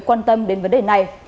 quan tâm đến vấn đề này